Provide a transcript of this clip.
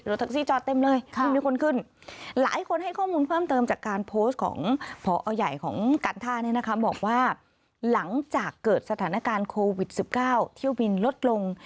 รถแท็กซี่จอดเต็มเลยเพิ่มมีคนขึ้น